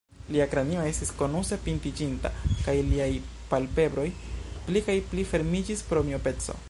Lia kranio estis konuse pintiĝinta, kaj liaj palpebroj pli kaj pli fermiĝis pro miopeco.